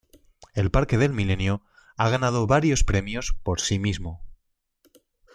El Parque del Milenio ha ganado varios premios por sí mismo.